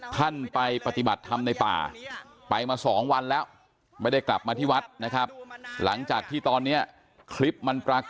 ท่านไปปฏิบัติทำในป่า